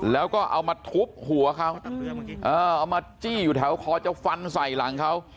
แล้วก็เอามาทุบหัวเขาเอามาจี้อยู่แถวคอจะฟันใส่หลังเขา